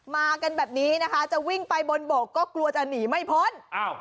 มากันแบบนี้นะคะจะวิ่งไปบนโบกก็กลัวจะหนีไม่พ้นอ้าว